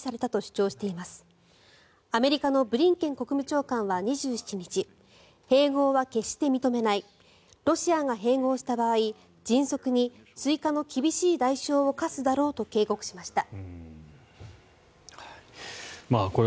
住民投票について、アメリカのブリンケン国務長官は２７日併合は決して認めないロシアが併合した場合、迅速に追加の厳しい代償を科すだろうと警告しました。